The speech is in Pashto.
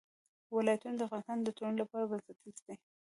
ولایتونه د افغانستان د ټولنې لپاره بنسټیز دي.